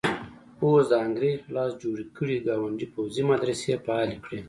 اوس د انګریز په لاس جوړ کړي ګاونډي پوځي مدرسې فعالې کړي.